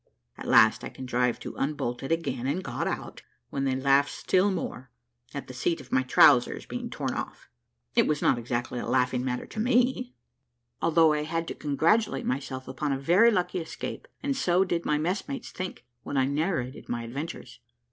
At last I contrived to unbolt it again, and got out, when they laughed still more, at the seat of my trowsers being torn off. It was not exactly a laughing matter to me, although I had to congratulate myself upon a very lucky escape; and so did my messmates think, when I narrated my adventures.